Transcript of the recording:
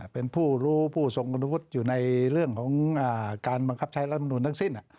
เป็นผู้รู้ผู้ทรงคุณวุฒิอยู่ในเรื่องของการบังคับใช้รัฐมนุนทั้งสิ้น